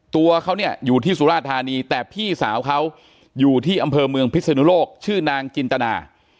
ตัวเขาเนี่ยอยู่ที่สุราธานีแต่พี่สาวเขาอยู่ที่อำเภอเมืองพิศนุโลกชื่อนางจินตนา